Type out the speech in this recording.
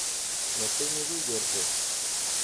Но ты не выдержишь.